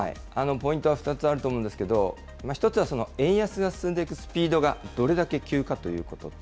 ポイントは２つあると思うんですけれども、１つは、円安が進んでいくスピードがどれだけ急かということと。